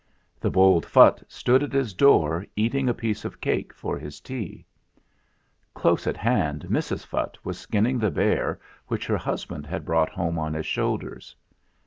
The bold Phutt stood at his door eating a piece of cake for his tea. Close at hand Mrs. Phutt was skinning the bear which her hus band had brought home on his shoulders.